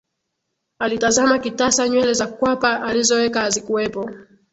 Alitazama kitasa nywele za kwapa alizoweka hazikuwepo